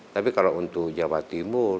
tapi kalau untuk jawa timur